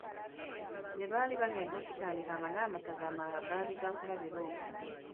Be baali bagenda okukitandika nga n’amasaza amalala gaali gaakulabira okwo.